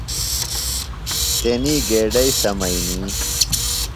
تنی گیڈئی سمئینیۡ۔